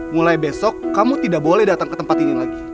mulai besok kamu tidak boleh datang ke tempat ini lagi